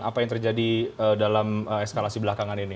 apa yang terjadi dalam eskalasi belakangan ini